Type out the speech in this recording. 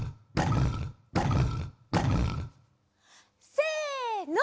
せの！